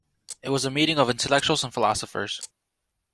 It was a meeting of intellectuals and philosophers.